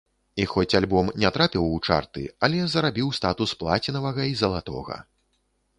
І хоць альбом не трапіў у чарты, але зарабіў статус плацінавага і залатога.